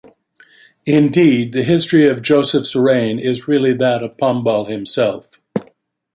Indeed, the history of Joseph's reign is really that of Pombal himself.